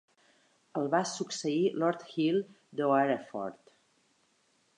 El va succeir Lord Hill d'Oareford.